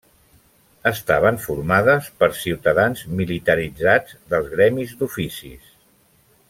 Estaven formades per ciutadans militaritzats dels gremis d'Oficis.